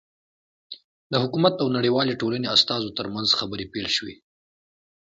د حکومت او نړیوالې ټولنې استازو ترمنځ خبرې پیل شوې.